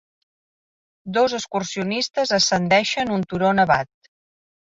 Dos excursionistes ascendeixen un turó nevat